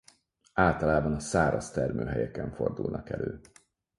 Általában a száraz termőhelyeken fordulnak elő.